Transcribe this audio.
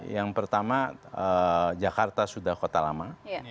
yang pertama jakarta sudah kota lama